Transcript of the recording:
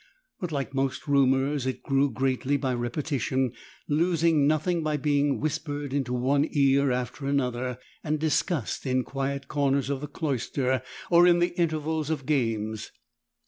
But like most rumours it grew greatly by repetition, losing nothing by being whispered into one ear after another, and discussed in quiet corners of the cloister or in the intervals of games.